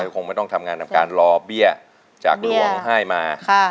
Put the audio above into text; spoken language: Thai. คงไม่ต้องทำงานทำการรอเบี้ยจากหลวงให้มา